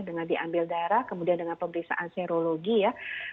dengan diambil darah kemudian dengan pemeriksaan serologi ya